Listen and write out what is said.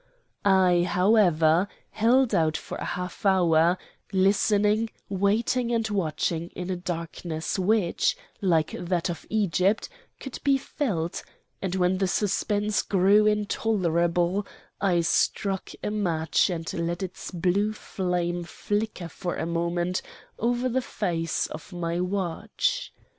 "I, however, held out for a half hour, listening, waiting and watching in a darkness which, like that of Egypt, could be felt, and when the suspense grew intolerable I struck a match and let its blue flame flicker for a moment over the face of my watch.